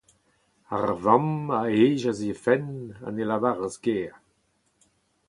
Ar vamm a hejas he fenn ha ne lavaras ger.